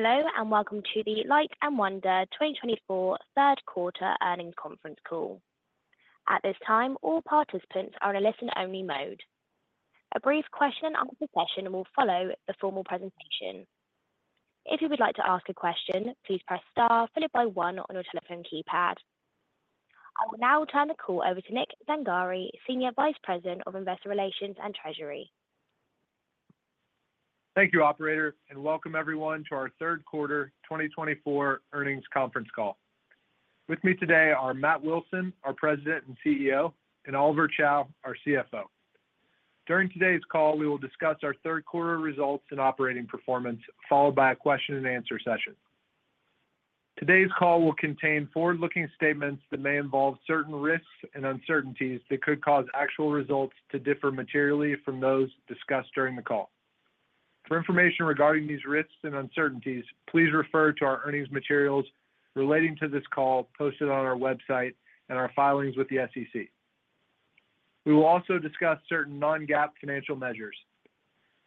Hello and welcome to the Light & Wonder 2024 third quarter earnings conference call. At this time, all participants are in a listen-only mode. A brief question-and-answer session will follow the formal presentation. If you would like to ask a question, please press star followed by one on your telephone keypad. I will now turn the call over to Nick Zangari, Senior Vice President of Investor Relations and Treasury. Thank you, Operator, and welcome everyone to our third quarter 2024 earnings conference call. With me today are Matt Wilson, our President and CEO, and Oliver Chow, our CFO. During today's call, we will discuss our third quarter results and operating performance, followed by a question-and-answer session. Today's call will contain forward-looking statements that may involve certain risks and uncertainties that could cause actual results to differ materially from those discussed during the call. For information regarding these risks and uncertainties, please refer to our earnings materials relating to this call posted on our website and our filings with the SEC. We will also discuss certain non-GAAP financial measures.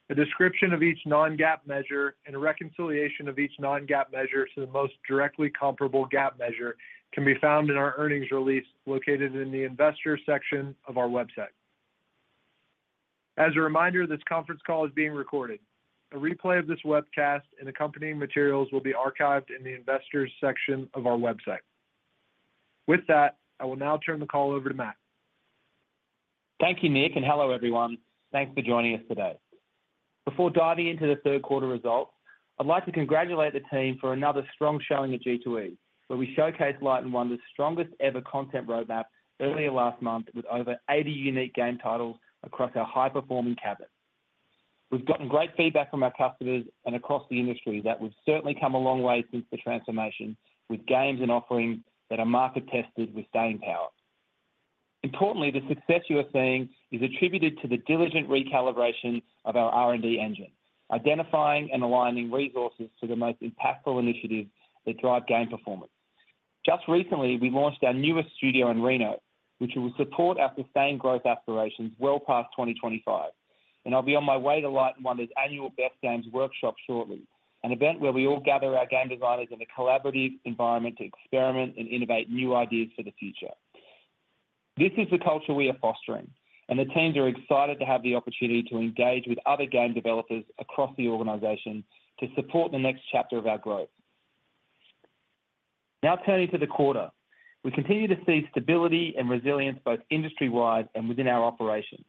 A description of each non-GAAP measure and a reconciliation of each non-GAAP measure to the most directly comparable GAAP measure can be found in our earnings release located in the Investor section of our website. As a reminder, this conference call is being recorded. A replay of this webcast and accompanying materials will be archived in the Investor section of our website. With that, I will now turn the call over to Matt. Thank you, Nick, and hello everyone. Thanks for joining us today. Before diving into the third quarter results, I'd like to congratulate the team for another strong showing at G2E, where we showcased Light & Wonder's strongest ever content roadmap earlier last month with over 80 unique game titles across our high-performing cabinet. We've gotten great feedback from our customers and across the industry that we've certainly come a long way since the transformation with games and offerings that are market-tested with staying power. Importantly, the success you are seeing is attributed to the diligent recalibration of our R&D engine, identifying and aligning resources to the most impactful initiatives that drive game performance. Just recently, we launched our newest studio in Reno, which will support our sustained growth aspirations well past 2025. I'll be on my way to Light & Wonder's annual Best Games Workshop shortly, an event where we all gather our game designers in a collaborative environment to experiment and innovate new ideas for the future. This is the culture we are fostering, and the teams are excited to have the opportunity to engage with other game developers across the organization to support the next chapter of our growth. Now turning to the quarter, we continue to see stability and resilience both industry-wide and within our operations.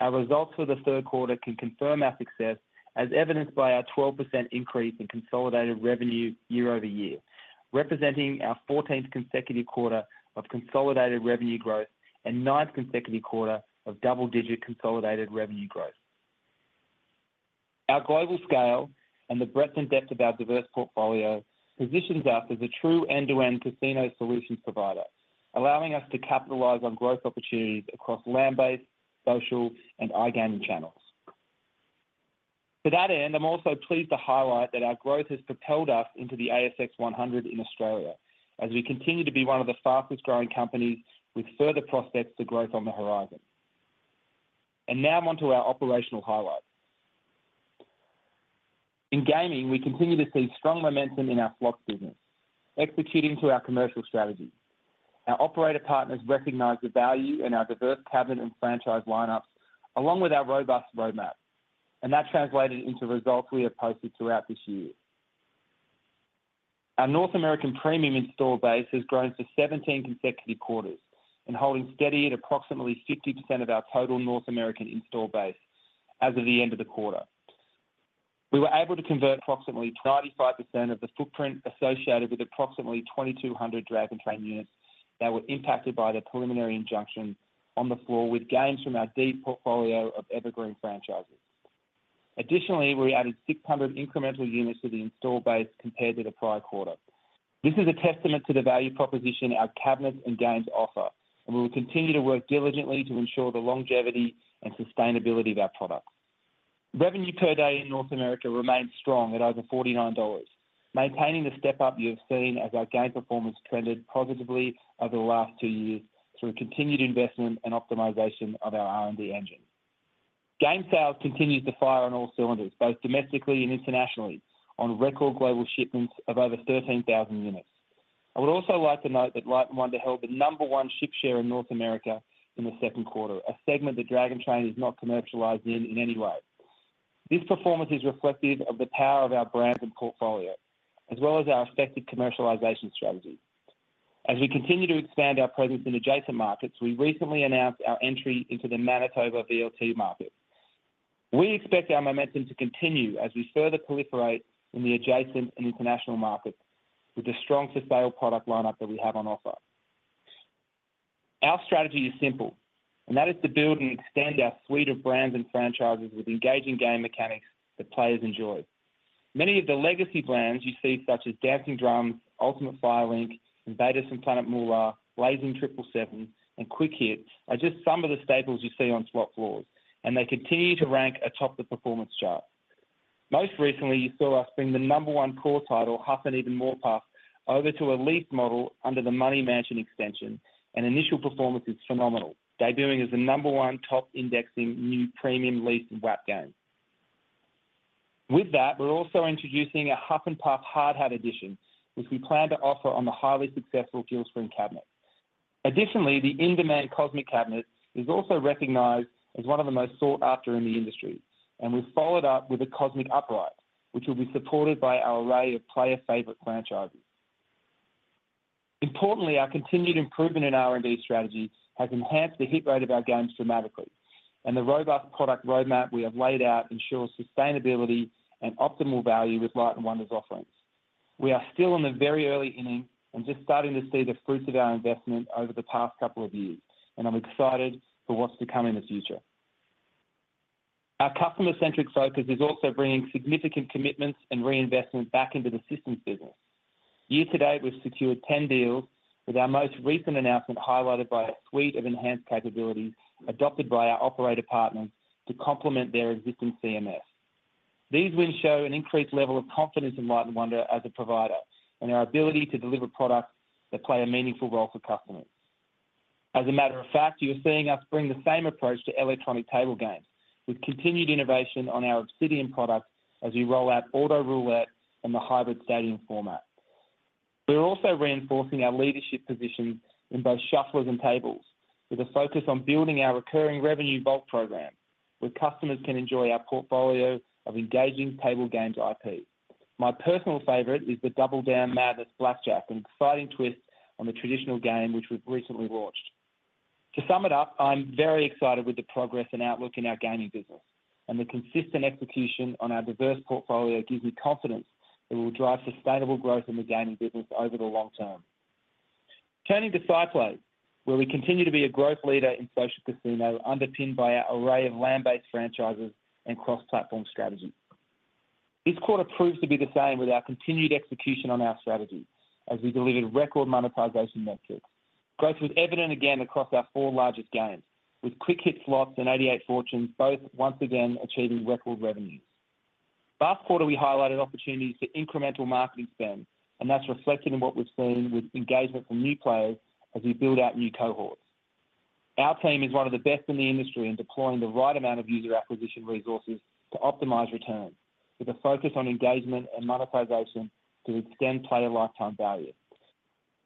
Our results for the third quarter can confirm our success, as evidenced by our 12% increase in consolidated revenue year over year, representing our 14th consecutive quarter of consolidated revenue growth and ninth consecutive quarter of double-digit consolidated revenue growth. Our global scale and the breadth and depth of our diverse portfolio positions us as a true end-to-end casino solutions provider, allowing us to capitalize on growth opportunities across land-based, social, and iGaming channels. To that end, I'm also pleased to highlight that our growth has propelled us into the ASX 100 in Australia, as we continue to be one of the fastest-growing companies with further prospects for growth on the horizon. And now on to our operational highlights. In gaming, we continue to see strong momentum in our slots business, executing to our commercial strategy. Our operator partners recognize the value in our diverse cabinet and franchise lineups, along with our robust roadmap, and that translated into results we have posted throughout this year. Our North American premium install base has grown for 17 consecutive quarters, holding steady at approximately 50% of our total North American install base as of the end of the quarter. We were able to convert approximately 95% of the footprint associated with approximately 2,200 Dragon Train units that were impacted by the preliminary injunction on the floor with gains from our deep portfolio of evergreen franchises. Additionally, we added 600 incremental units to the install base compared to the prior quarter. This is a testament to the value proposition our cabinets and games offer, and we will continue to work diligently to ensure the longevity and sustainability of our products. Revenue per day in North America remains strong at over $49, maintaining the step-up you have seen as our game performance trended positively over the last two years through continued investment and optimization of our R&D engine. Game sales continue to fire on all cylinders, both domestically and internationally, on record global shipments of over 13,000 units. I would also like to note that Light & Wonder held the number one ship share in North America in the second quarter, a segment that Dragon Train is not commercialized in any way. This performance is reflective of the power of our brand and portfolio, as well as our effective commercialization strategy. As we continue to expand our presence in adjacent markets, we recently announced our entry into the Manitoba VLT market. We expect our momentum to continue as we further proliferate in the adjacent and international markets with the strength-to-sale product lineup that we have on offer. Our strategy is simple, and that is to build and extend our suite of brands and franchises with engaging game mechanics that players enjoy. Many of the legacy brands you see, such as Dancing Drums, Ultimate Firelink, Invaders from Planet Moolah, Blazing 777, and Quick Hit, are just some of the staples you see on slot floors, and they continue to rank atop the performance chart. Most recently, you saw us bring the number one core title, Huff N' Even More Puff, over to a lease model under the Money Mansions extension, and initial performance is phenomenal, debuting as the number one top-indexing new premium lease and WAP game. With that, we're also introducing a Huff N' Puff Hard Hat Edition, which we plan to offer on the highly successful Gill Spring Cabinet. Additionally, the in-demand Cosmic Cabinet is also recognized as one of the most sought-after in the industry, and we've followed up with a Cosmic Upright, which will be supported by our array of player-favorite franchises. Importantly, our continued improvement in R&D strategy has enhanced the hit rate of our games dramatically, and the robust product roadmap we have laid out ensures sustainability and optimal value with Light & Wonder's offerings. We are still in the very early innings and just starting to see the fruits of our investment over the past couple of years, and I'm excited for what's to come in the future. Our customer-centric focus is also bringing significant commitments and reinvestment back into the systems business. Year to date, we've secured 10 deals, with our most recent announcement highlighted by a suite of enhanced capabilities adopted by our operator partners to complement their existing CMS. These wins show an increased level of confidence in Light & Wonder as a provider and our ability to deliver products that play a meaningful role for customers. As a matter of fact, you're seeing us bring the same approach to electronic table games, with continued innovation on our Obsidian product as we roll out Auto Roulette and the Hybrid Stadium format. We're also reinforcing our leadership positions in both shufflers and tables, with a focus on building our recurring revenue vault program, where customers can enjoy our portfolio of engaging table games IP. My personal favorite is the Double Down Madness Blackjack, an exciting twist on the traditional game which we've recently launched. To sum it up, I'm very excited with the progress and outlook in our gaming business, and the consistent execution on our diverse portfolio gives me confidence that we will drive sustainable growth in the gaming business over the long term. Turning to SciPlay, where we continue to be a growth leader in social casino, underpinned by our array of land-based franchises and cross-platform strategy. This quarter proves to be the same with our continued execution on our strategy, as we delivered record monetization metrics. Growth was evident again across our four largest games, with Quick Hit slots and 88 Fortunes both once again achieving record revenues. Last quarter, we highlighted opportunities for incremental marketing spend, and that's reflected in what we've seen with engagement from new players as we build out new cohorts. Our team is one of the best in the industry in deploying the right amount of user acquisition resources to optimize returns, with a focus on engagement and monetization to extend player lifetime value.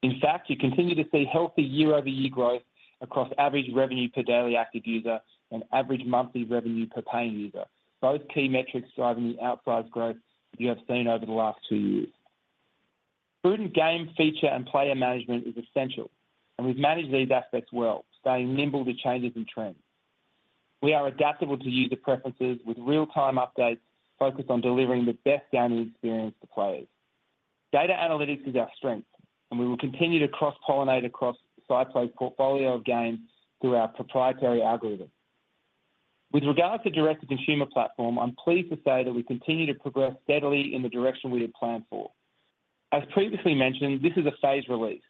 In fact, you continue to see healthy year-over-year growth across average revenue per daily active user and average monthly revenue per paying user, both key metrics driving the outsized growth you have seen over the last two years. Prudent game feature and player management is essential, and we've managed these aspects well, staying nimble to changes and trends. We are adaptable to user preferences, with real-time updates focused on delivering the best gaming experience to players. Data analytics is our strength, and we will continue to cross-pollinate across SciPlay's portfolio of games through our proprietary algorithm. With regards to direct-to-consumer platform, I'm pleased to say that we continue to progress steadily in the direction we had planned for. As previously mentioned, this is a phased release,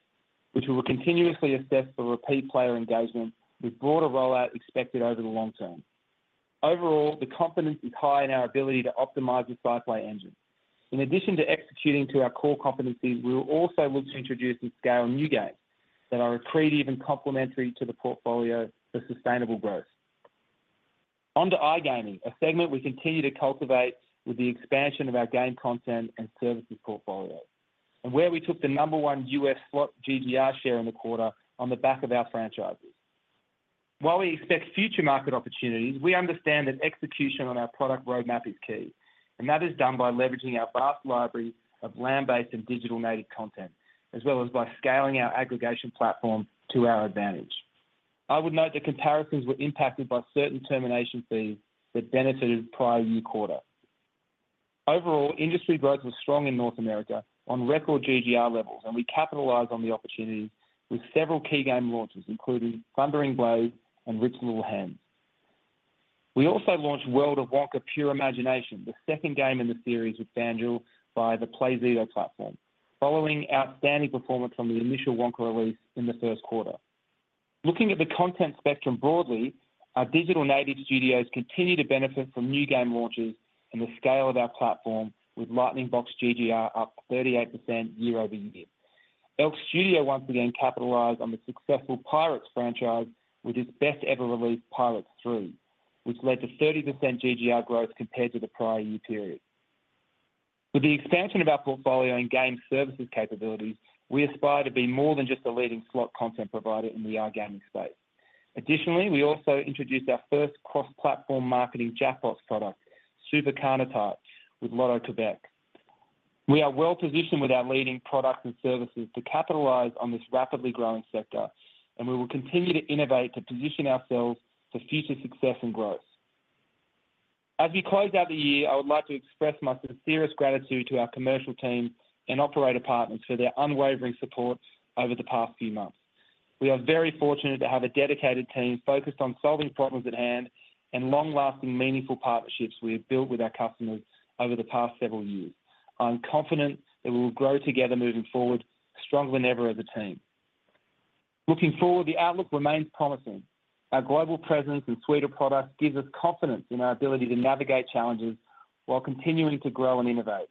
which we will continuously assess for repeat player engagement, with broader rollout expected over the long term. Overall, the confidence is high in our ability to optimize the SciPlay engine. In addition to executing to our core competencies, we will also look to introduce and scale new games that are accretive and complementary to the portfolio for sustainable growth. Onto iGaming, a segment we continue to cultivate with the expansion of our game content and services portfolio, and where we took the number one U.S. slot GGR share in the quarter on the back of our franchises. While we expect future market opportunities, we understand that execution on our product roadmap is key, and that is done by leveraging our vast library of land-based and digital native content, as well as by scaling our aggregation platform to our advantage. I would note that comparisons were impacted by certain termination fees that benefited prior year quarter. Overall, industry growth was strong in North America on record GGR levels, and we capitalized on the opportunities with several key game launches, including Thundering Blade and Rich Little Hens. We also launched World of Wonka: Pure Imagination, the second game in the series with Banjo by the Playzido platform, following outstanding performance from the initial Wonka release in the first quarter. Looking at the content spectrum broadly, our digital native studios continue to benefit from new game launches and the scale of our platform, with Lightning Box GGR up 38% year over year. ELK Studios once again capitalized on the successful Pirates franchise with its best-ever release, Pirots 3, which led to 30% GGR growth compared to the prior year period. With the expansion of our portfolio in game services capabilities, we aspire to be more than just a leading slot content provider in the iGaming space. Additionally, we also introduced our first cross-platform marketing jackpots product, Super Cagnotte, with Lotto Quebec. We are well-positioned with our leading products and services to capitalize on this rapidly growing sector, and we will continue to innovate to position ourselves for future success and growth. As we close out the year, I would like to express my sincerest gratitude to our commercial team and operator partners for their unwavering support over the past few months. We are very fortunate to have a dedicated team focused on solving problems at hand and long-lasting, meaningful partnerships we have built with our customers over the past several years. I'm confident that we will grow together moving forward, stronger than ever as a team. Looking forward, the outlook remains promising. Our global presence and suite of products gives us confidence in our ability to navigate challenges while continuing to grow and innovate.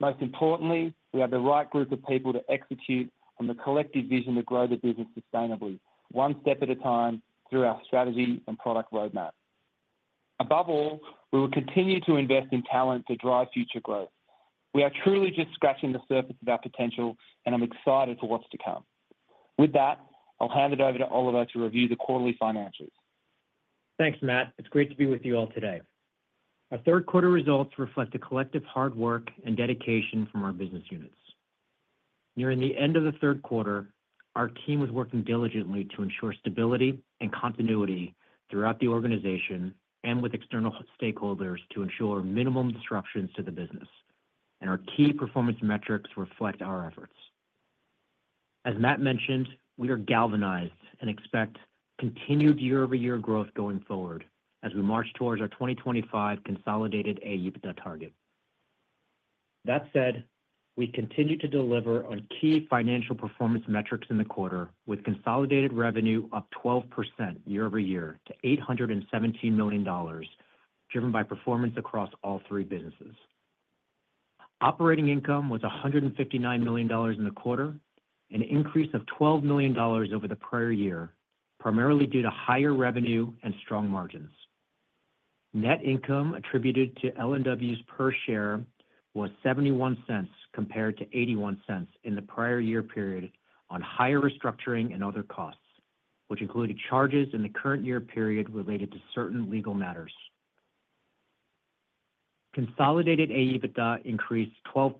Most importantly, we have the right group of people to execute on the collective vision to grow the business sustainably, one step at a time through our strategy and product roadmap. Above all, we will continue to invest in talent to drive future growth. We are truly just scratching the surface of our potential, and I'm excited for what's to come. With that, I'll hand it over to Oliver to review the quarterly financials. Thanks, Matt. It's great to be with you all today. Our third-quarter results reflect the collective hard work and dedication from our business units. Near the end of the third quarter, our team was working diligently to ensure stability and continuity throughout the organization and with external stakeholders to ensure minimum disruptions to the business, and our key performance metrics reflect our efforts. As Matt mentioned, we are galvanized and expect continued year-over-year growth going forward as we march towards our 2025 consolidated EBITDA target. That said, we continue to deliver on key financial performance metrics in the quarter, with consolidated revenue up 12% year-over-year to $817 million, driven by performance across all three businesses. Operating income was $159 million in the quarter, an increase of $12 million over the prior year, primarily due to higher revenue and strong margins. Net income attributed to L&W's per share was $0.71 compared to $0.81 in the prior year period on higher restructuring and other costs, which included charges in the current year period related to certain legal matters. Consolidated EBITDA increased 12%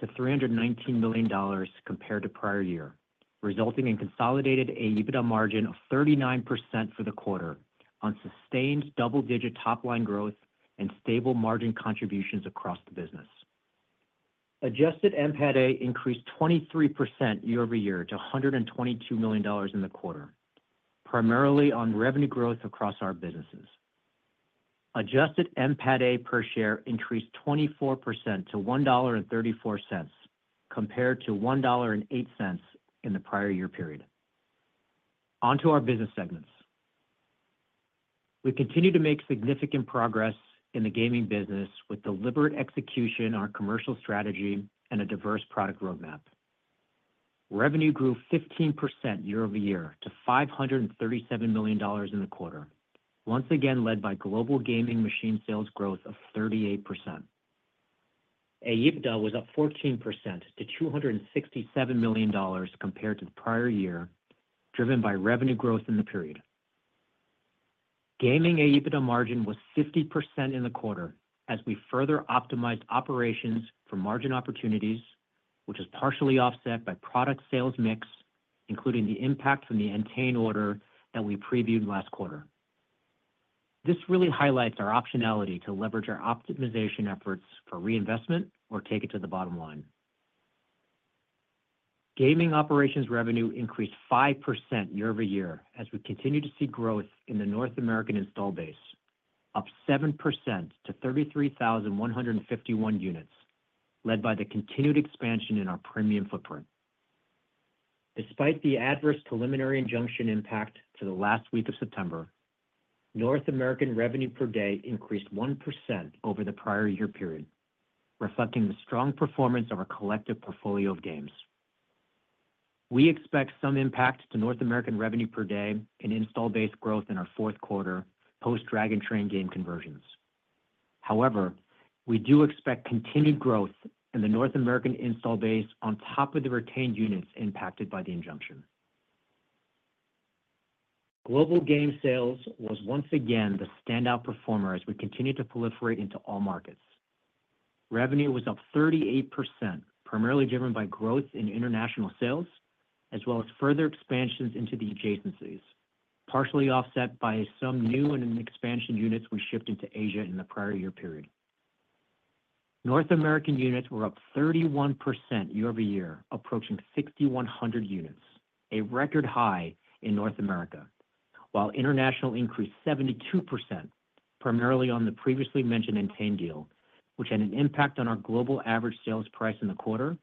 to $319 million compared to prior year, resulting in a consolidated EBITDA margin of 39% for the quarter on sustained double-digit top-line growth and stable margin contributions across the business. Adjusted NPATA increased 23% year-over-year to $122 million in the quarter, primarily on revenue growth across our businesses. Adjusted NPATA per share increased 24% to $1.34 compared to $1.08 in the prior year period. Onto our business segments. We continue to make significant progress in the gaming business with deliberate execution on our commercial strategy and a diverse product roadmap. Revenue grew 15% year-over-year to $537 million in the quarter, once again led by global gaming machine sales growth of 38%. Adjusted EBITDA was up 14% to $267 million compared to the prior year, driven by revenue growth in the period. Gaming Adjusted EBITDA margin was 50% in the quarter as we further optimized operations for margin opportunities, which is partially offset by product sales mix, including the impact from the Entain order that we previewed last quarter. This really highlights our optionality to leverage our optimization efforts for reinvestment or take it to the bottom line. Gaming operations revenue increased 5% year-over-year as we continue to see growth in the North American install base, up 7% to 33,151 units, led by the continued expansion in our premium footprint. Despite the adverse preliminary injunction impact to the last week of September, North American revenue per day increased 1% over the prior year period, reflecting the strong performance of our collective portfolio of games. We expect some impact to North American revenue per day and install base growth in our fourth quarter post-Dragon Train game conversions. However, we do expect continued growth in the North American install base on top of the retained units impacted by the injunction. Global game sales was once again the standout performer as we continued to proliferate into all markets. Revenue was up 38%, primarily driven by growth in international sales, as well as further expansions into the adjacencies, partially offset by some new and expansion units we shipped into Asia in the prior year period. North American units were up 31% year-over-year, approaching 6,100 units, a record high in North America, while international increased 72%, primarily on the previously mentioned Entain deal, which had an impact on our global average sales price in the quarter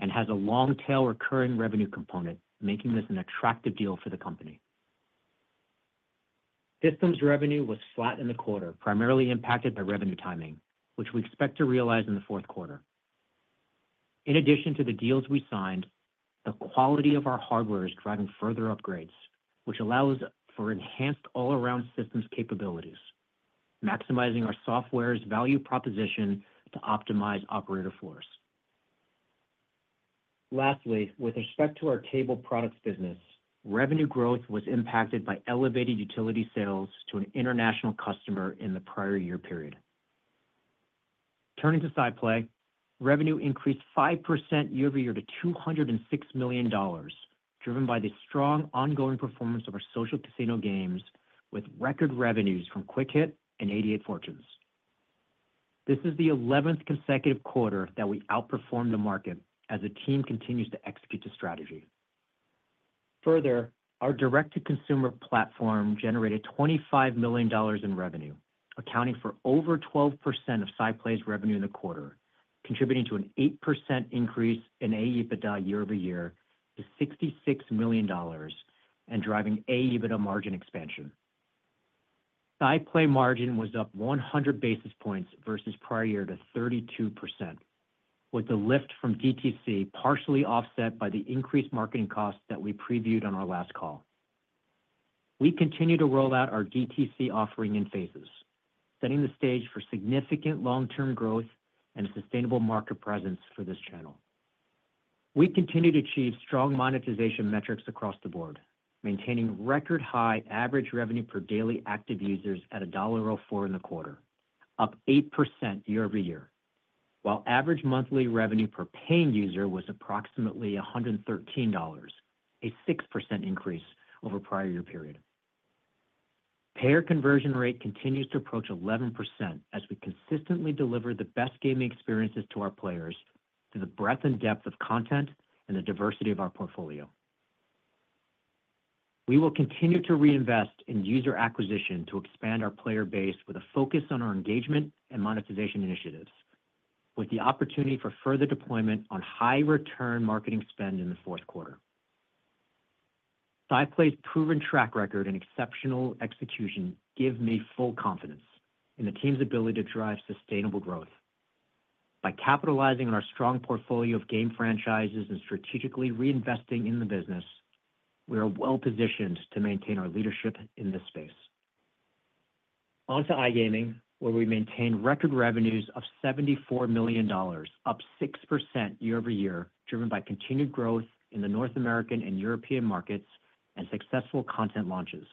and has a long-tail recurring revenue component, making this an attractive deal for the company. Systems revenue was flat in the quarter, primarily impacted by revenue timing, which we expect to realize in the fourth quarter. In addition to the deals we signed, the quality of our hardware is driving further upgrades, which allows for enhanced all-around systems capabilities, maximizing our software's value proposition to optimize operator floors. Lastly, with respect to our table products business, revenue growth was impacted by elevated utility sales to an international customer in the prior year period. Turning to SciPlay, revenue increased 5% year-over-year to $206 million, driven by the strong ongoing performance of our social casino games with record revenues from Quick Hit and 88 Fortunes. This is the 11th consecutive quarter that we outperformed the market as the team continues to execute the strategy. Further, our direct-to-consumer platform generated $25 million in revenue, accounting for over 12% of SciPlay's revenue in the quarter, contributing to an 8% increase in Adjusted EBITDA year-over-year to $66 million and driving Adjusted EBITDA margin expansion. SciPlay's margin was up 100 basis points versus prior year to 32%, with the lift from DTC partially offset by the increased marketing costs that we previewed on our last call. We continue to roll out our DTC offering in phases, setting the stage for significant long-term growth and a sustainable market presence for this channel. We continue to achieve strong monetization metrics across the board, maintaining record-high average revenue per daily active users at $1.04 in the quarter, up 8% year-over-year, while average monthly revenue per paying user was approximately $113, a 6% increase over the prior year period. Payer conversion rate continues to approach 11% as we consistently deliver the best gaming experiences to our players through the breadth and depth of content and the diversity of our portfolio. We will continue to reinvest in user acquisition to expand our player base with a focus on our engagement and monetization initiatives, with the opportunity for further deployment on high-return marketing spend in the fourth quarter. SciPlay's proven track record and exceptional execution give me full confidence in the team's ability to drive sustainable growth. By capitalizing on our strong portfolio of game franchises and strategically reinvesting in the business, we are well-positioned to maintain our leadership in this space. Onto iGaming, where we maintain record revenues of $74 million, up 6% year-over-year, driven by continued growth in the North American and European markets and successful content launches.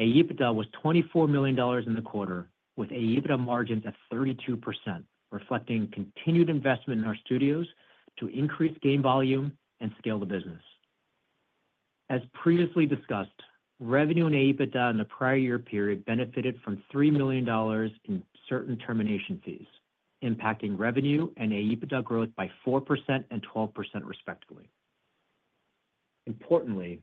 EBITDA was $24 million in the quarter, with EBITDA margins at 32%, reflecting continued investment in our studios to increase game volume and scale the business. As previously discussed, revenue in EBITDA in the prior year period benefited from $3 million in certain termination fees, impacting revenue and EBITDA growth by 4% and 12%, respectively. Importantly,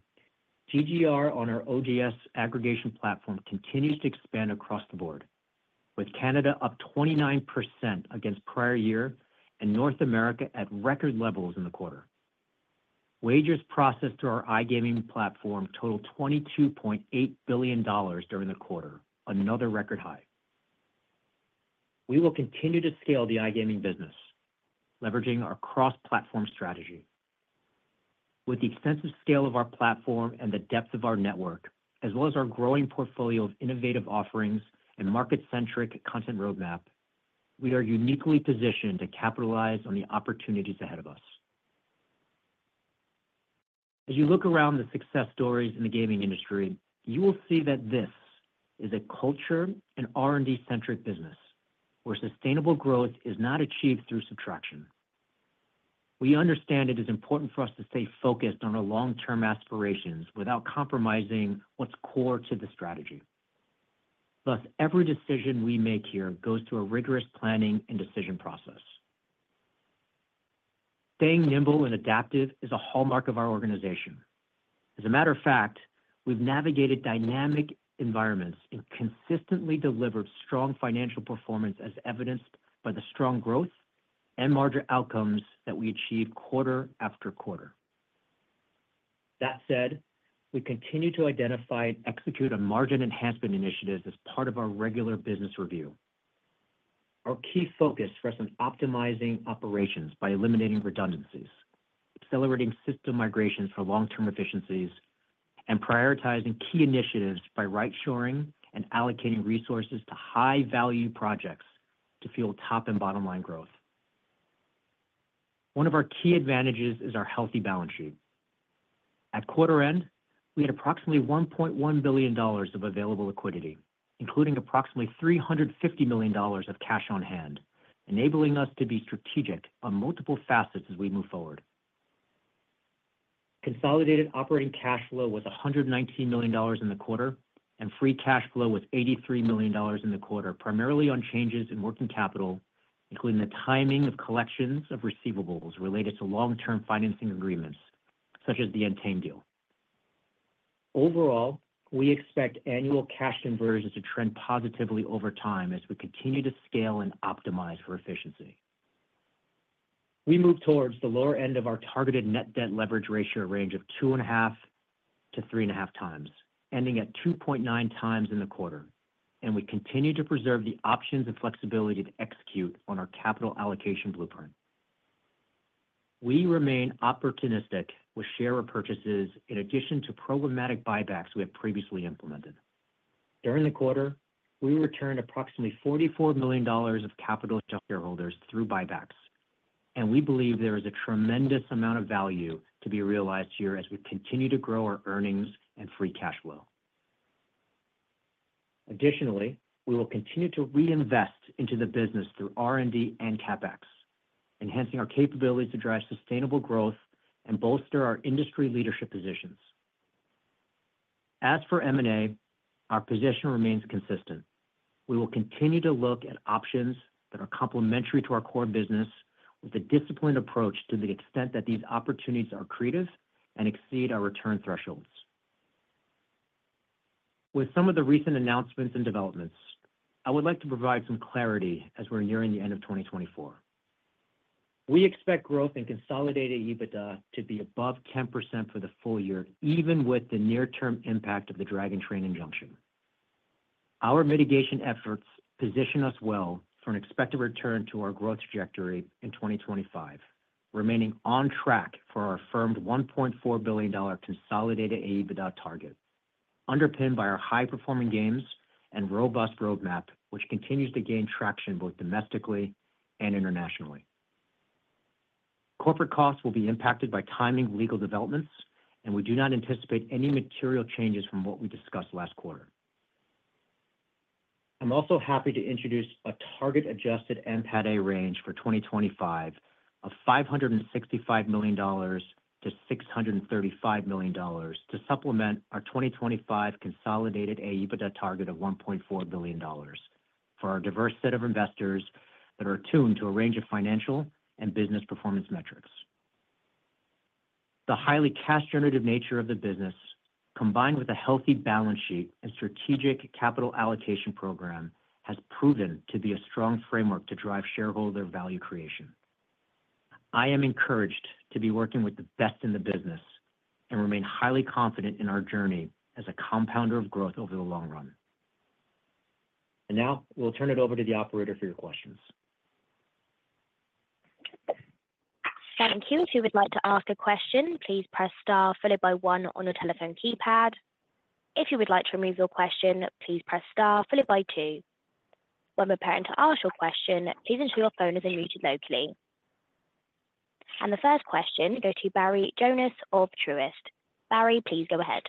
GGR on our OGS aggregation platform continues to expand across the board, with Canada up 29% against prior year and North America at record levels in the quarter. Wagers processed through our iGaming platform totaled $22.8 billion during the quarter, another record high. We will continue to scale the iGaming business, leveraging our cross-platform strategy. With the extensive scale of our platform and the depth of our network, as well as our growing portfolio of innovative offerings and market-centric content roadmap, we are uniquely positioned to capitalize on the opportunities ahead of us. As you look around the success stories in the gaming industry, you will see that this is a culture and R&D-centric business where sustainable growth is not achieved through subtraction. We understand it is important for us to stay focused on our long-term aspirations without compromising what's core to the strategy. Thus, every decision we make here goes through a rigorous planning and decision process. Staying nimble and adaptive is a hallmark of our organization. As a matter of fact, we've navigated dynamic environments and consistently delivered strong financial performance, as evidenced by the strong growth and margin outcomes that we achieved quarter after quarter. That said, we continue to identify and execute on margin enhancement initiatives as part of our regular business review. Our key focus rests on optimizing operations by eliminating redundancies, accelerating system migrations for long-term efficiencies, and prioritizing key initiatives by right-shoring and allocating resources to high-value projects to fuel top and bottom-line growth. One of our key advantages is our healthy balance sheet. At quarter end, we had approximately $1.1 billion of available liquidity, including approximately $350 million of cash on hand, enabling us to be strategic on multiple facets as we move forward. Consolidated operating cash flow was $119 million in the quarter, and free cash flow was $83 million in the quarter, primarily on changes in working capital, including the timing of collections of receivables related to long-term financing agreements, such as the Entain deal. Overall, we expect annual cash conversions to trend positively over time as we continue to scale and optimize for efficiency. We move towards the lower end of our targeted net debt leverage ratio range of 2.5-3.5 times, ending at 2.9 times in the quarter, and we continue to preserve the options and flexibility to execute on our capital allocation blueprint. We remain opportunistic with share repurchases in addition to programmatic buybacks we have previously implemented. During the quarter, we returned approximately $44 million of capital to our shareholders through buybacks, and we believe there is a tremendous amount of value to be realized here as we continue to grow our earnings and free cash flow. Additionally, we will continue to reinvest into the business through R&D and CapEx, enhancing our capabilities to drive sustainable growth and bolster our industry leadership positions. As for M&A, our position remains consistent. We will continue to look at options that are complementary to our core business, with a disciplined approach to the extent that these opportunities are creative and exceed our return thresholds. With some of the recent announcements and developments, I would like to provide some clarity as we're nearing the end of 2024. We expect growth in consolidated Adjusted EBITDA to be above 10% for the full year, even with the near-term impact of the Dragon Train injunction. Our mitigation efforts position us well for an expected return to our growth trajectory in 2025, remaining on track for our affirmed $1.4 billion consolidated Adjusted EBITDA target, underpinned by our high-performing games and robust roadmap, which continues to gain traction both domestically and internationally. Corporate costs will be impacted by timing legal developments, and we do not anticipate any material changes from what we discussed last quarter. I'm also happy to introduce a target-adjusted NPATA range for 2025 of $565 million-$635 million to supplement our 2025 consolidated Adjusted EBITDA target of $1.4 billion for our diverse set of investors that are attuned to a range of financial and business performance metrics. The highly cash-generative nature of the business, combined with a healthy balance sheet and strategic capital allocation program, has proven to be a strong framework to drive shareholder value creation. I am encouraged to be working with the best in the business and remain highly confident in our journey as a compounder of growth over the long run. And now, we'll turn it over to the operator for your questions. Thank you. If you would like to ask a question, please press Star followed by 1 on your telephone keypad. If you would like to remove your question, please press Star followed by 2. When preparing to ask your question, please ensure your phone is not muted locally. And the first question goes to Barry Jonas of Truist. Barry, please go ahead.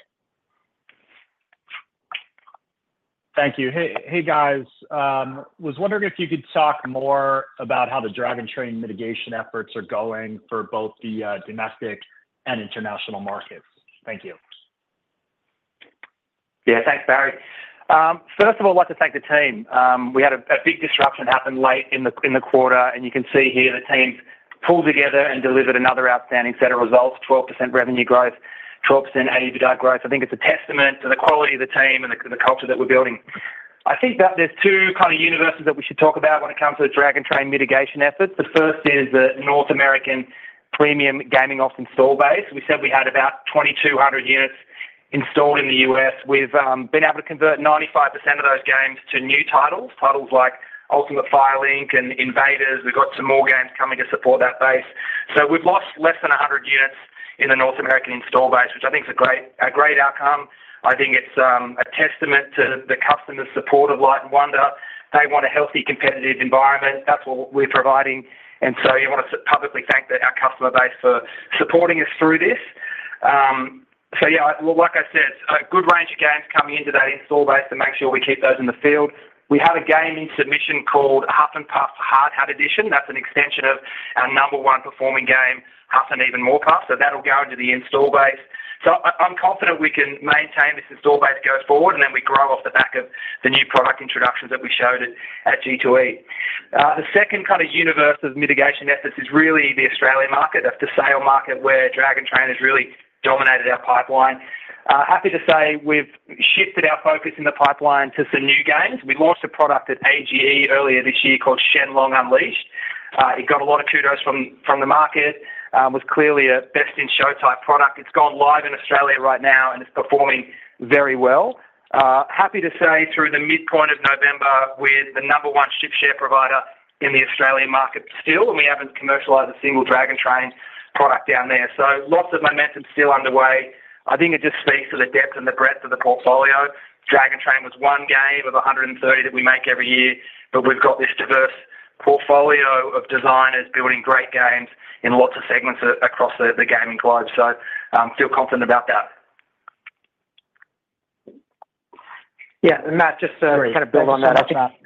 Thank you. Hey, guys. I was wondering if you could talk more about how the Dragon Train mitigation efforts are going for both the domestic and international markets. Thank you. Yeah, thanks, Barry. First of all, I'd like to thank the team. We had a big disruption happen late in the quarter, and you can see here the team pulled together and delivered another outstanding set of results: 12% revenue growth, 12% Adjusted EBITDA growth. I think it's a testament to the quality of the team and the culture that we're building. I think that there's two kind of universes that we should talk about when it comes to the Dragon Train mitigation efforts. The first is the North American premium gaming ops install base. We said we had about 2,200 units installed in the U.S. We've been able to convert 95% of those games to new titles, titles like Ultimate Firelink and Invaders. We've got some more games coming to support that base. So we've lost less than 100 units in the North American install base, which I think is a great outcome. I think it's a testament to the customer's support of Light & Wonder. They want a healthy, competitive environment. That's what we're providing. And so you want to publicly thank our customer base for supporting us through this. So yeah, like I said, a good range of games coming into that install base to make sure we keep those in the field. We have a game in submission called Huff N' Puff's Hard Hat Edition. That's an extension of our number one performing game, Huff N' Even More Puff. So that'll go into the install base. So I'm confident we can maintain this install base going forward, and then we grow off the back of the new product introductions that we showed at G2E. The second kind of universe of mitigation efforts is really the Australian market, the slot market, where Dragon Train has really dominated our pipeline. Happy to say we've shifted our focus in the pipeline to some new games. We launched a product at AGE earlier this year called Shenlong Unleashed. It got a lot of kudos from the market. It was clearly a best-in-show type product. It's gone live in Australia right now, and it's performing very well. Happy to say through the midpoint of November, we're the number one ship share provider in the Australian market still, and we haven't commercialized a single Dragon Train product down there. So lots of momentum still underway. I think it just speaks to the depth and the breadth of the portfolio. Dragon Train was one game of 130 that we make every year, but we've got this diverse portfolio of designers building great games in lots of segments across the gaming globe. So I feel confident about that. Yeah, and Matt, just to kind of build on that.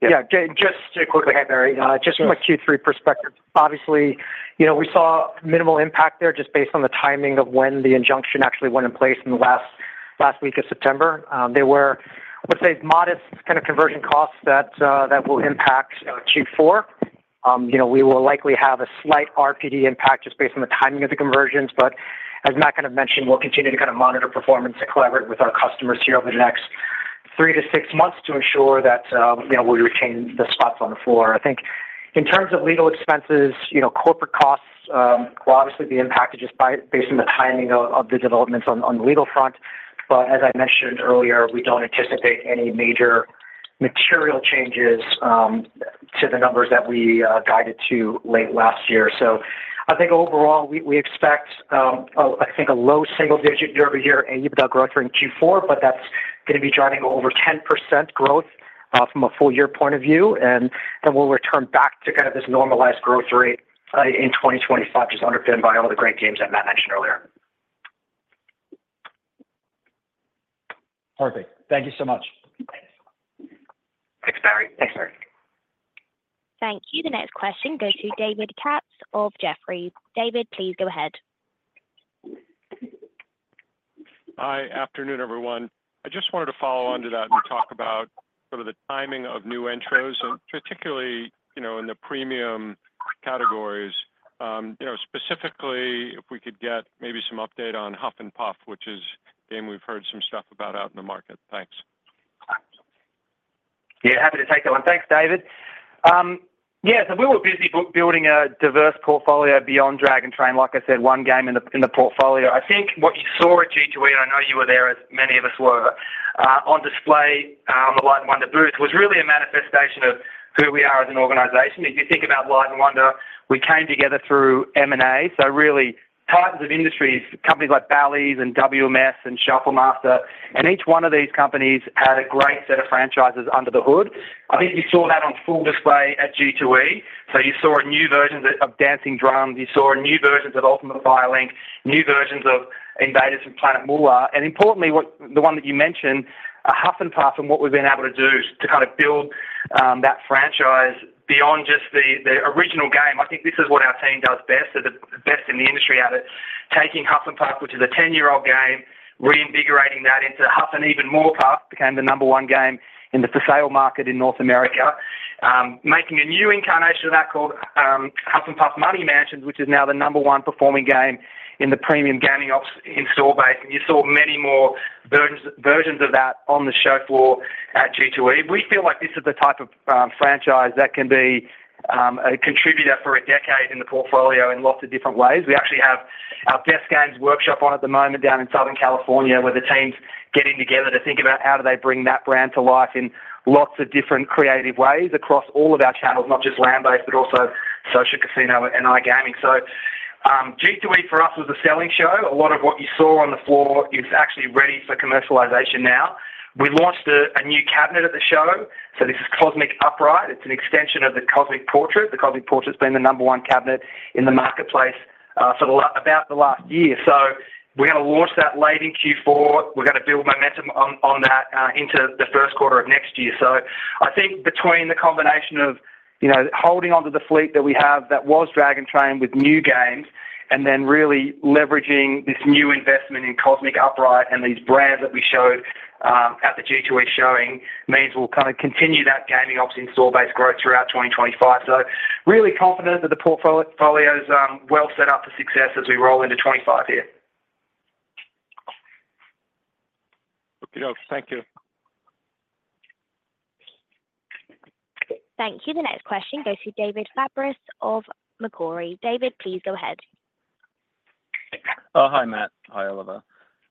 Yeah, just to quickly add there, just from a Q3 perspective, obviously, we saw minimal impact there just based on the timing of when the injunction actually went in place in the last week of September. There were, I would say, modest kind of conversion costs that will impact Q4. We will likely have a slight RPD impact just based on the timing of the conversions. But as Matt kind of mentioned, we'll continue to kind of monitor performance and collaborate with our customers here over the next three to six months to ensure that we retain the spots on the floor. I think in terms of legal expenses, corporate costs will obviously be impacted just based on the timing of the developments on the legal front. But as I mentioned earlier, we don't anticipate any major material changes to the numbers that we guided to late last year. So I think overall, we expect, I think, a low single-digit year-over-year Adjusted EBITDA growth during Q4, but that's going to be driving over 10% growth from a full-year point of view. And then we'll return back to kind of this normalized growth rate in 2025, just underpinned by all the great games that Matt mentioned earlier. Perfect. Thank you so much. Thanks, Barry. Thanks, Barry. Thank you. The next question goes to David Katz of Jefferies. David, please go ahead. Good afternoon, everyone. I just wanted to follow on to that and talk about sort of the timing of new intros, and particularly in the premium categories. Specifically, if we could get maybe some update on Huff N' Puff, which is a game we've heard some stuff about out in the market. Thanks. Yeah, happy to take that one. Thanks, David. Yeah, so we were busy building a diverse portfolio beyond Dragon Train. Like I said, one game in the portfolio. I think what you saw at G2E, and I know you were there, as many of us were, on display on the Light & Wonder booth, was really a manifestation of who we are as an organization. If you think about Light & Wonder, we came together through M&A. So really, titles of industries, companies like Bally's and WMS and Shuffle Master, and each one of these companies had a great set of franchises under the hood. I think you saw that on full display at G2E. So you saw new versions of Dancing Drums. You saw new versions of Ultimate Firelink, new versions of Invaders from Planet Moolah. And importantly, the one that you mentioned, Huff N' Puff, and what we've been able to do to kind of build that franchise beyond just the original game. I think this is what our team does best, the best in the industry at it, taking Huff N' Puff, which is a 10-year-old game, reinvigorating that into Huff N' Even More Puff, became the number one game in the for sale market in North America, making a new incarnation of that called Huff N' Puff Money Mansions, which is now the number one performing game in the premium gaming lease install base. And you saw many more versions of that on the show floor at G2E. We feel like this is the type of franchise that can be a contributor for a decade in the portfolio in lots of different ways. We actually have our Best Games Workshop on at the moment down in Southern California, where the teams are getting together to think about how do they bring that brand to life in lots of different creative ways across all of our channels, not just land-based, but also Social Casino and iGaming. So G2E for us was a selling show. A lot of what you saw on the floor is actually ready for commercialization now. We launched a new cabinet at the show. So this is Cosmic Upright. It's an extension of the Cosmic Portrait. The Cosmic Portrait has been the number one cabinet in the marketplace for about the last year. So we're going to launch that late in Q4. We're going to build momentum on that into the first quarter of next year. So I think between the combination of holding onto the fleet that we have that was Dragon Train with new games and then really leveraging this new investment in Cosmic Upright and these brands that we showed at the G2E showing means we'll kind of continue that gaming ops install base growth throughout 2025. So really confident that the portfolio is well set up for success as we roll into 25 here. Thank you. Thank you. The next question goes to David Fabris of Macquarie. David, please go ahead. Hi, Matt. Hi, Oliver.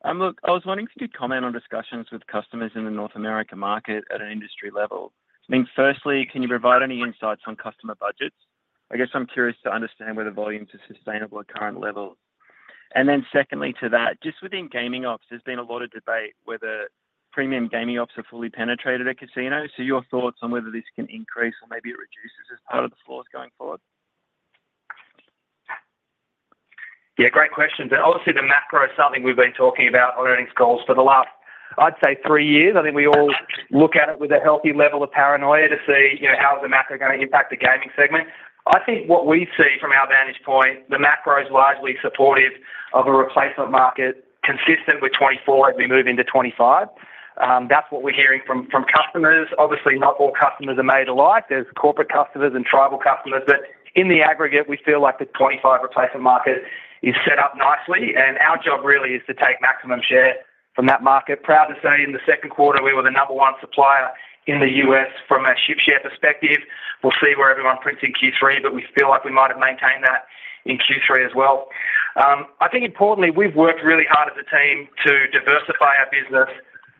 Look, I was wanting to comment on discussions with customers in the North America market at an industry level. I mean, firstly, can you provide any insights on customer budgets? I guess I'm curious to understand whether volumes are sustainable at current levels. And then secondly to that, just within gaming ops, there's been a lot of debate whether premium gaming ops are fully penetrated at casinos. So your thoughts on whether this can increase or maybe it reduces as part of the floors going forward? Yeah, great question. Obviously, the macro is something we've been talking about on earnings calls for the last, I'd say, three years. I think we all look at it with a healthy level of paranoia to see how the macro is going to impact the gaming segment. I think what we see from our vantage point, the macro is largely supportive of a replacement market consistent with 2024 as we move into 2025. That's what we're hearing from customers. Obviously, not all customers are made alike. There's corporate customers and tribal customers. But in the aggregate, we feel like the 2025 replacement market is set up nicely. Our job really is to take maximum share from that market. Proud to say in the second quarter, we were the number one supplier in the U.S. from a ship share perspective. We'll see where everyone prints in Q3, but we feel like we might have maintained that in Q3 as well. I think importantly, we've worked really hard as a team to diversify our business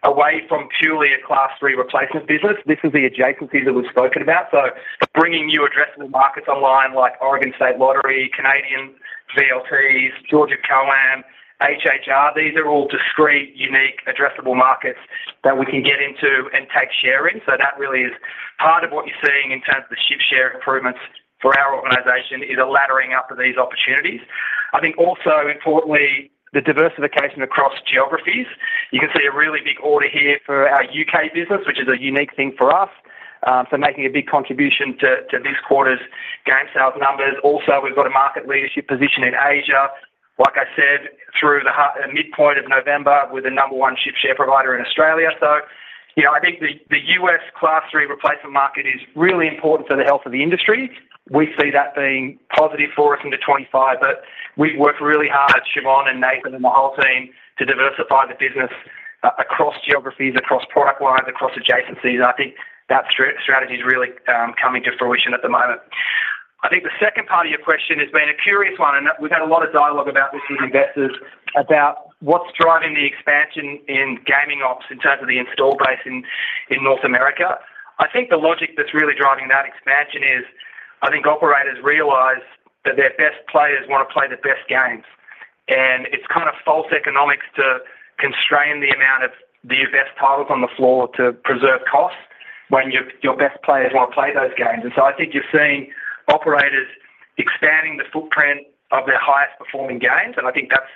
away from purely a class three replacement business. This is the adjacencies that we've spoken about. So bringing new addressable markets online like Oregon State Lottery, Canadian VLTs, Georgia COAM, HHR, these are all discrete, unique, addressable markets that we can get into and take share in. So that really is part of what you're seeing in terms of the ship share improvements for our organization is a laddering up of these opportunities. I think also importantly, the diversification across geographies. You can see a really big order here for our UK business, which is a unique thing for us, so making a big contribution to this quarter's game sales numbers. Also, we've got a market leadership position in Asia, like I said, through the midpoint of November with the number one ship share provider in Australia. So I think the US class three replacement market is really important for the health of the industry. We see that being positive for us into 25, but we've worked really hard, Siobhan and Nathan and the whole team, to diversify the business across geographies, across product lines, across adjacencies, and I think that strategy is really coming to fruition at the moment. I think the second part of your question has been a curious one, and we've had a lot of dialogue about this with investors about what's driving the expansion in gaming ops in terms of the install base in North America. I think the logic that's really driving that expansion is I think operators realize that their best players want to play the best games. And it's kind of false economics to constrain the amount of the best titles on the floor to preserve costs when your best players want to play those games. And so I think you're seeing operators expanding the footprint of their highest performing games, and I think that's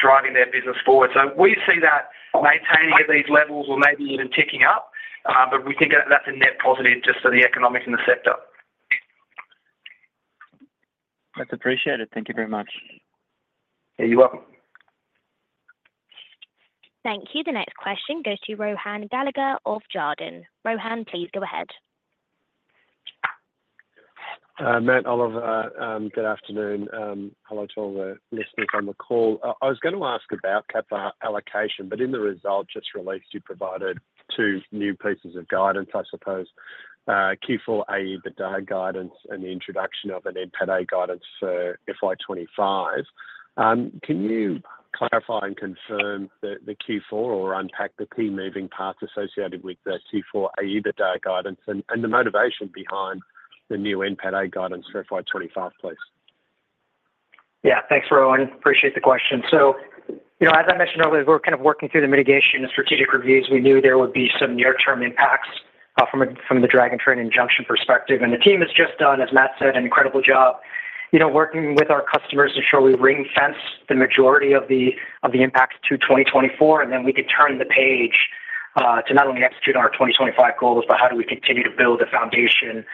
driving their business forward. So we see that maintaining at these levels or maybe even ticking up, but we think that that's a net positive just for the economics in the sector. That's appreciated. Thank you very much. You're welcome. Thank you. The next question goes to Rohan Gallagher of Jarden. Rohan, please go ahead. Matt, Oliver, good afternoon. Hello to all the listeners on the call. I was going to ask about CAPA allocation, but in the result just released, you provided two new pieces of guidance, I suppose, Q4 EBITDA guidance and the introduction of an NPATA guidance for FY25. Can you clarify and confirm the Q4 or unpack the key moving parts associated with the Q4 EBITDA guidance and the motivation behind the new NPATA guidance for FY25, please? Yeah, thanks, Rohan. Appreciate the question. So as I mentioned earlier, we're kind of working through the mitigation and strategic reviews. We knew there would be some near-term impacts from the Dragon Train injunction perspective. And the team has just done, as Matt said, an incredible job working with our customers to ensure we ring-fence the majority of the impacts to 2024, and then we can turn the page to not only execute on our 2025 goals, but how do we continue to build a foundation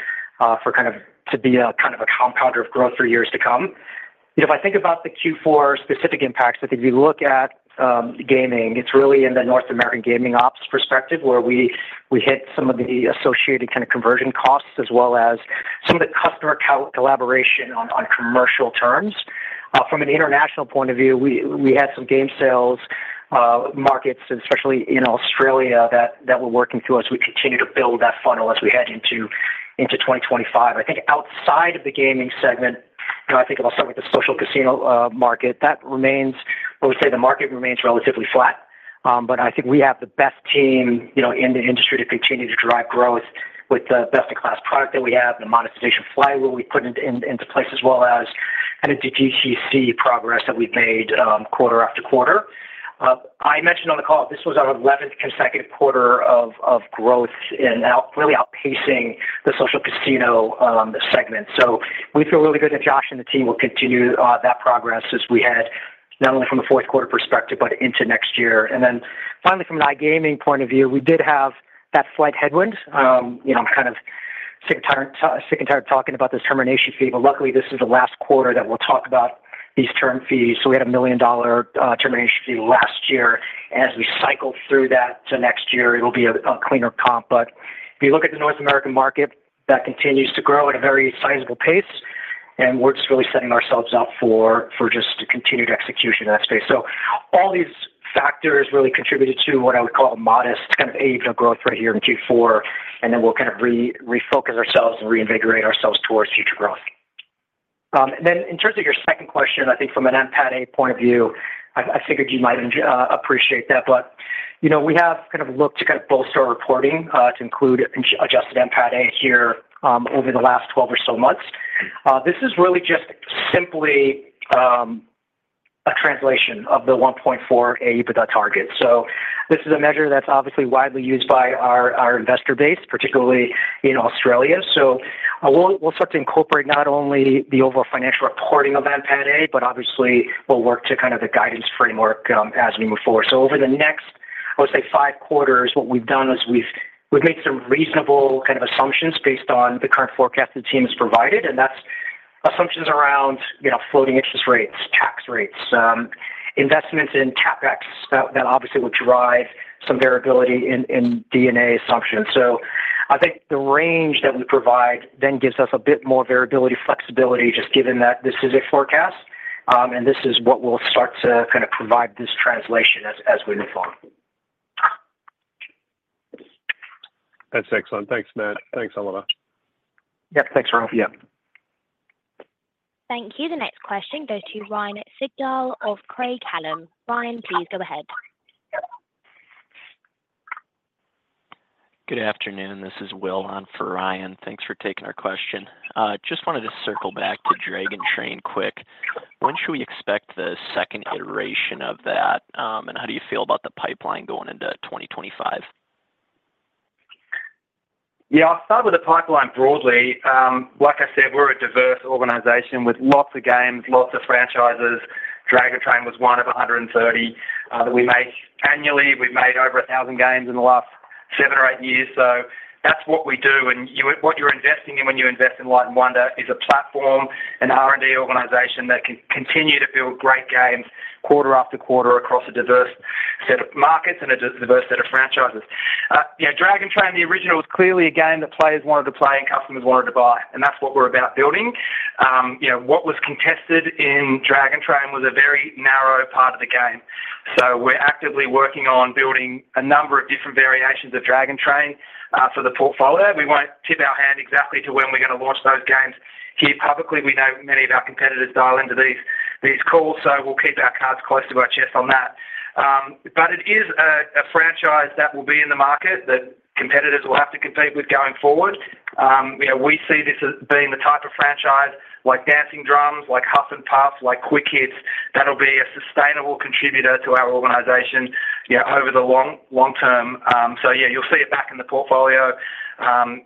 for kind of to be a kind of a compounder of growth for years to come. If I think about the Q4 specific impacts, I think if you look at gaming, it's really in the North American gaming ops perspective where we hit some of the associated kind of conversion costs as well as some of the customer collaboration on commercial terms. From an international point of view, we had some game sales markets, especially in Australia, that were working through as we continue to build that funnel as we head into 2025. I think outside of the gaming segment, I think I'll start with the social casino market, that remains, I would say the market remains relatively flat. But I think we have the best team in the industry to continue to drive growth with the best-in-class product that we have and the monetization flywheel we put into place as well as kind of the DTC progress that we've made quarter after quarter. I mentioned on the call, this was our 11th consecutive quarter of growth and really outpacing the social casino segment. So we feel really good that Josh and the team will continue that progress as we head not only from a fourth quarter perspective but into next year. And then finally, from an iGaming point of view, we did have that slight headwind. I'm kind of sick and tired of talking about this termination fee, but luckily this is the last quarter that we'll talk about these term fees. So we had a $1 million termination fee last year. As we cycle through that to next year, it will be a cleaner comp. But if you look at the North American market, that continues to grow at a very sizable pace and we're just really setting ourselves up for just continued execution in that space. So all these factors really contributed to what I would call a modest kind of EBITDA growth right here in Q4, and then we'll kind of refocus ourselves and reinvigorate ourselves towards future growth. And then in terms of your second question, I think from an NPATA point of view, I figured you might appreciate that. But we have kind of looked to kind of bolster our reporting to include adjusted NPATA here over the last 12 or so months. This is really just simply a translation of the 1.4 EBITDA target. So this is a measure that's obviously widely used by our investor base, particularly in Australia. So we'll start to incorporate not only the overall financial reporting of NPATA, but obviously we'll work to kind of the guidance framework as we move forward. So over the next, I would say, five quarters, what we've done is we've made some reasonable kind of assumptions based on the current forecast the team has provided, and that's assumptions around floating interest rates, tax rates, investments in CapEx that obviously will drive some variability in D&A assumptions. So I think the range that we provide then gives us a bit more variability, flexibility, just given that this is a forecast, and this is what we'll start to kind of provide this translation as we move on. That's excellent. Thanks, Matt. Thanks, Oliver. Yep. Thanks, Rohan. Yeah. Thank you. The next question goes to Ryan Sigdahl of Craig-Hallum. Ryan, please go ahead. Good afternoon. This is Will on for Ryan. Thanks for taking our question. Just wanted to circle back to Dragon Train quick. When should we expect the second iteration of that, and how do you feel about the pipeline going into 2025? Yeah, I'll start with the pipeline broadly. Like I said, we're a diverse organization with lots of games, lots of franchises. Dragon Train was one of 130 that we make annually. We've made over 1,000 games in the last seven or eight years. So that's what we do. And what you're investing in when you invest in Light & Wonder is a platform, an R&D organization that can continue to build great games quarter after quarter across a diverse set of markets and a diverse set of franchises. Dragon Train, the original was clearly a game that players wanted to play and customers wanted to buy, and that's what we're about building. What was contested in Dragon Train was a very narrow part of the game. So we're actively working on building a number of different variations of Dragon Train for the portfolio. We won't tip our hand exactly to when we're going to launch those games here publicly. We know many of our competitors dial into these calls, so we'll keep our cards close to our chest on that. But it is a franchise that will be in the market that competitors will have to compete with going forward. We see this as being the type of franchise like Dancing Drums, like Huff N' Puff, like Quick Hit, that'll be a sustainable contributor to our organization over the long term. Yeah, you'll see it back in the portfolio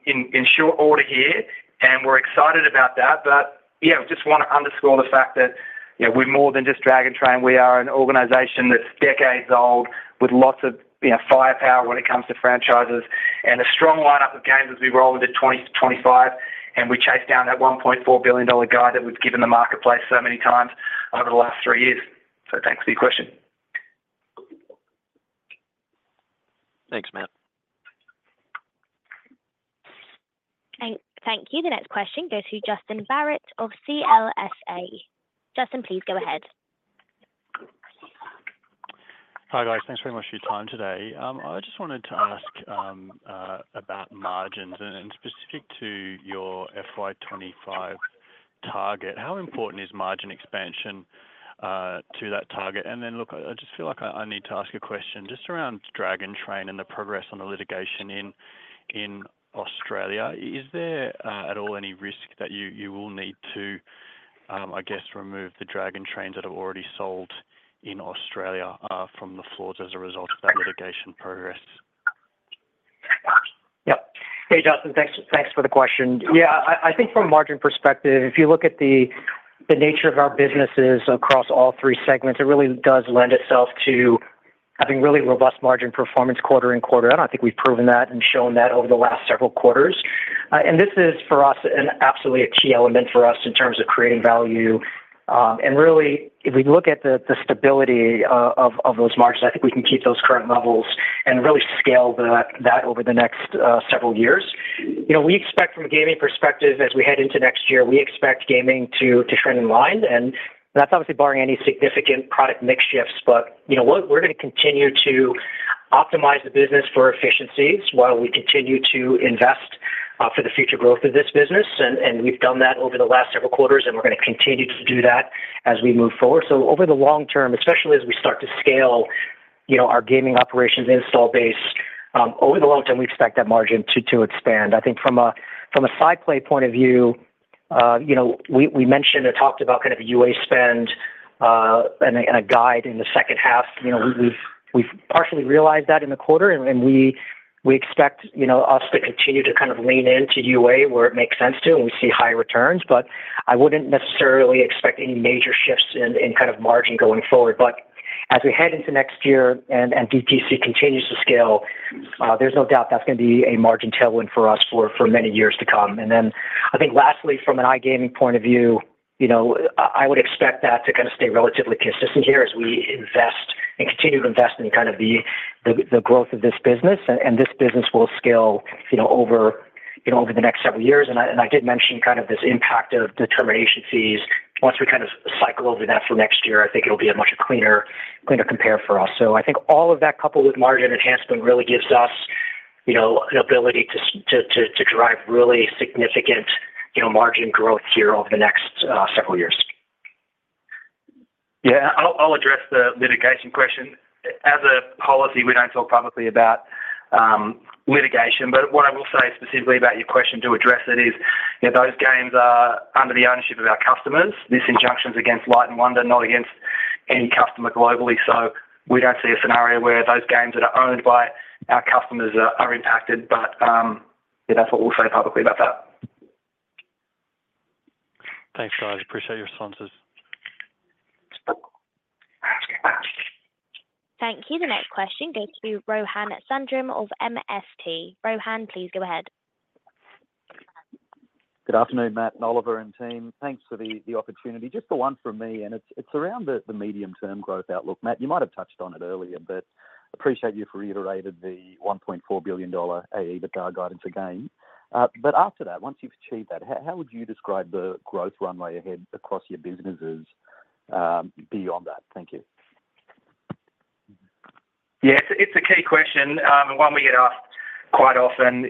in short order here, and we're excited about that. Yeah, we just want to underscore the fact that we're more than just Dragon Train. We are an organization that's decades old with lots of firepower when it comes to franchises and a strong lineup of games as we roll into 2025, and we chase down that $1.4 billion guide that we've given the marketplace so many times over the last three years. Thanks for your question. Thanks, Matt. Thank you. The next question goes to Justin Barratt of CLSA. Justin, please go ahead. Hi guys. Thanks very much for your time today. I just wanted to ask about margins and specific to your FY25 target. How important is margin expansion to that target? And then look, I just feel like I need to ask a question just around Dragon Train and the progress on the litigation in Australia. Is there at all any risk that you will need to, I guess, remove the Dragon Trains that are already sold in Australia from the floors as a result of that litigation progress? Yep. Hey, Justin. Thanks for the question. Yeah, I think from a margin perspective, if you look at the nature of our businesses across all three segments, it really does lend itself to having really robust margin performance quarter and quarter. I don't think we've proven that and shown that over the last several quarters. And this is for us an absolutely key element for us in terms of creating value. And really, if we look at the stability of those margins, I think we can keep those current levels and really scale that over the next several years. We expect from a gaming perspective, as we head into next year, we expect gaming to trend in line. And that's obviously barring any significant product mix shifts, but we're going to continue to optimize the business for efficiencies while we continue to invest for the future growth of this business. And we've done that over the last several quarters, and we're going to continue to do that as we move forward. So over the long term, especially as we start to scale our gaming operations install base, over the long term, we expect that margin to expand. I think from a SciPlay point of view, we mentioned and talked about kind of a UA spend and a guide in the second half. We've partially realized that in the quarter, and we expect us to continue to kind of lean into UA where it makes sense to, and we see high returns. But I wouldn't necessarily expect any major shifts in kind of margin going forward. But as we head into next year and DTC continues to scale, there's no doubt that's going to be a margin tailwind for us for many years to come. And then I think lastly, from an iGaming point of view, I would expect that to kind of stay relatively consistent here as we invest and continue to invest in kind of the growth of this business. And this business will scale over the next several years. And I did mention kind of this impact of the termination fees. Once we kind of cycle over that for next year, I think it'll be a much cleaner compare for us. So I think all of that, coupled with margin enhancement, really gives us an ability to drive really significant margin growth here over the next several years. Yeah, I'll address the litigation question. As a policy, we don't talk publicly about litigation. But what I will say specifically about your question to address it is those games are under the ownership of our customers. This injunction is against Light & Wonder, not against any customer globally. So we don't see a scenario where those games that are owned by our customers are impacted. But that's what we'll say publicly about that. Thanks, guys. Appreciate your responses. Thank you. The next question goes to Rohan Sundram of MST. Rohan, please go ahead. Good afternoon, Matt and Oliver and team. Thanks for the opportunity. Just the one from me, and it's around the medium-term growth outlook. Matt, you might have touched on it earlier, but appreciate you for reiterating the $1.4 billion EBITDA guidance again. But after that, once you've achieved that, how would you describe the growth runway ahead across your businesses beyond that? Thank you. Yeah, it's a key question, one we get asked quite often.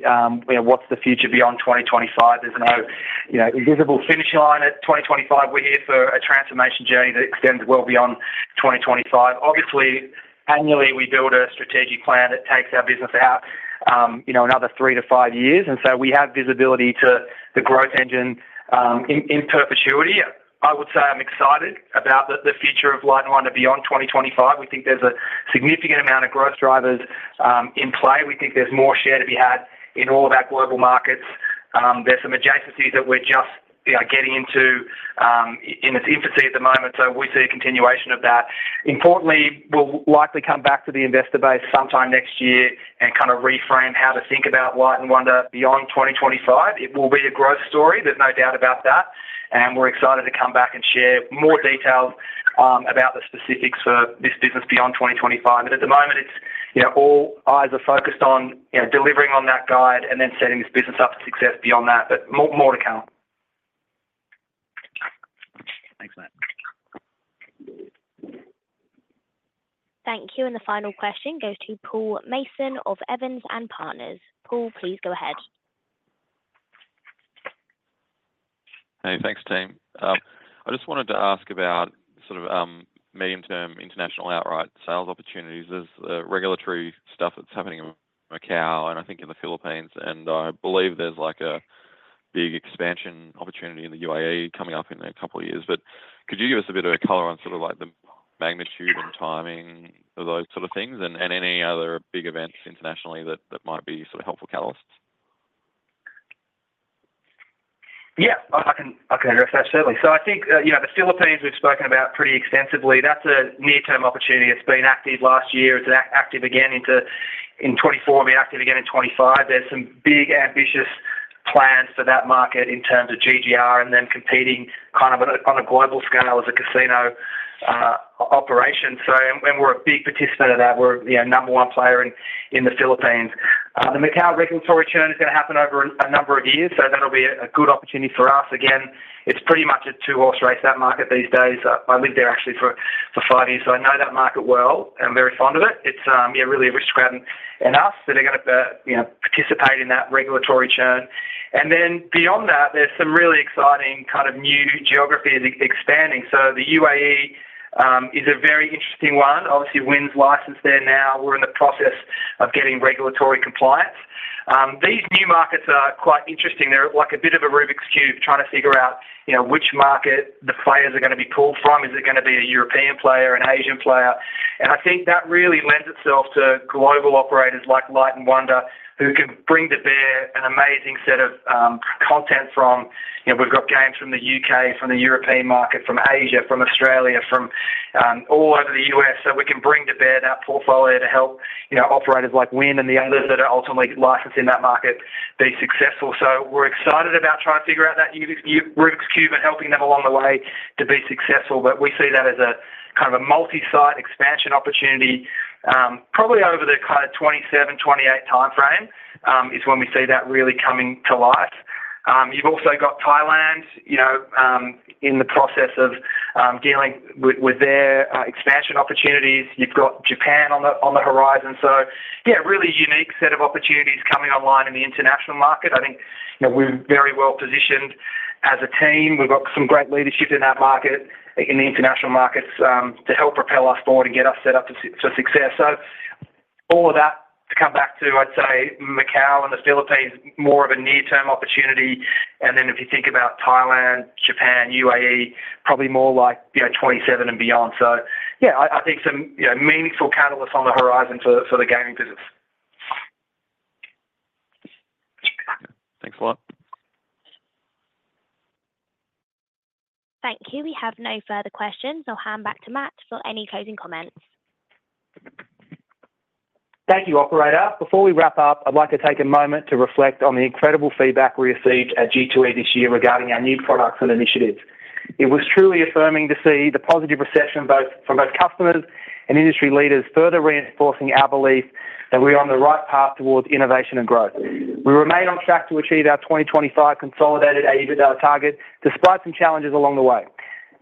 What's the future beyond 2025? There's no visible finish line at 2025. We're here for a transformation journey that extends well beyond 2025. Obviously, annually, we build a strategic plan that takes our business out another three to five years. And so we have visibility to the growth engine in perpetuity. I would say I'm excited about the future of Light & Wonder beyond 2025. We think there's a significant amount of growth drivers in play. We think there's more share to be had in all of our global markets. There's some adjacencies that we're just getting into in its infancy at the moment, so we see a continuation of that. Importantly, we'll likely come back to the investor base sometime next year and kind of reframe how to think about Light & Wonder beyond 2025. It will be a growth story. There's no doubt about that. And we're excited to come back and share more details about the specifics for this business beyond 2025. But at the moment, all eyes are focused on delivering on that guide and then setting this business up for success beyond that. But more to come. Thanks, Matt. Thank you. And the final question goes to Paul Mason of Evans & Partners. Paul, please go ahead. Hey, thanks, team. I just wanted to ask about sort of medium-term international outright sales opportunities. There's regulatory stuff that's happening in Macau and I think in the Philippines. And I believe there's like a big expansion opportunity in the UAE coming up in a couple of years. But could you give us a bit of a color on sort of like the magnitude and timing of those sort of things and any other big events internationally that might be sort of helpful catalysts? Yeah, I can address that certainly. So I think the Philippines we've spoken about pretty extensively. That's a near-term opportunity. It's been active last year. It's active again in 2024. It'll be active again in 2025. There's some big ambitious plans for that market in terms of GGR and then competing kind of on a global scale as a casino operation. So we're a big participant of that. We're a number one player in the Philippines. The Macau regulatory turn is going to happen over a number of years, so that'll be a good opportunity for us. Again, it's pretty much a two-horse race, that market these days. I lived there actually for five years, so I know that market well and I'm very fond of it. It's really Aristocrat and us that are going to participate in that regulatory turn. And then beyond that, there's some really exciting kind of new geographies expanding. So the UAE is a very interesting one. Obviously, Wynn's licensed there now. We're in the process of getting regulatory compliance. These new markets are quite interesting. They're like a bit of a Rubik's Cube, trying to figure out which market the players are going to be pulled from. Is it going to be a European player, an Asian player? And I think that really lends itself to global operators like Light & Wonder, who can bring to bear an amazing set of content from. We've got games from the U.K., from the European market, from Asia, from Australia, from all over the U.S. So we can bring to bear that portfolio to help operators like Wynn and the others that are ultimately licensed in that market be successful. So we're excited about trying to figure out that Rubik's Cube and helping them along the way to be successful. But we see that as a kind of a multi-site expansion opportunity. Probably over the kind of 2027, 2028 timeframe is when we see that really coming to light. You've also got Thailand in the process of dealing with their expansion opportunities. You've got Japan on the horizon. So yeah, really unique set of opportunities coming online in the international market. I think we're very well positioned as a team. We've got some great leadership in that market, in the international markets, to help propel us forward and get us set up for success. So all of that to come back to, I'd say, Macau and the Philippines, more of a near-term opportunity. And then if you think about Thailand, Japan, UAE, probably more like 2027 and beyond. So yeah, I think some meaningful catalysts on the horizon for the gaming business. Thanks a lot. Thank you. We have no further questions. I'll hand back to Matt for any closing comments. Thank you, Operator. Before we wrap up, I'd like to take a moment to reflect on the incredible feedback we received at G2E this year regarding our new products and initiatives. It was truly affirming to see the positive reception from both customers and industry leaders further reinforcing our belief that we are on the right path towards innovation and growth. We remain on track to achieve our 2025 consolidated Adjusted EBITDA target despite some challenges along the way.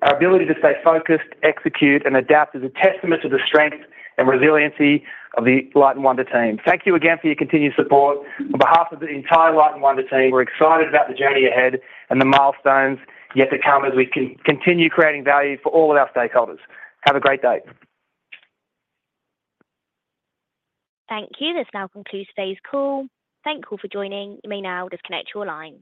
Our ability to stay focused, execute, and adapt is a testament to the strength and resiliency of the Light & Wonder team. Thank you again for your continued support. On behalf of the entire Light & Wonder team, we're excited about the journey ahead and the milestones yet to come as we continue creating value for all of our stakeholders. Have a great day. Thank you. This now concludes today's call. Thank you all for joining. You may now disconnect your line.